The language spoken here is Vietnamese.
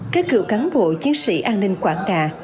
các cựu cán bộ chiến sĩ an ninh quảng đà